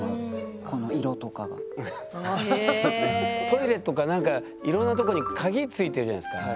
トイレとかなんかいろんなとこに鍵付いてるじゃないですか。